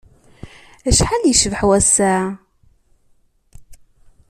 Acḥal yecbeḥ wass-a!